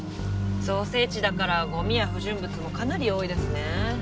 造成地だからゴミや不純物もかなり多いですね。